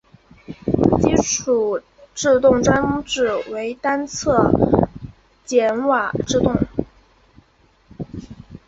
基础制动装置为单侧闸瓦制动。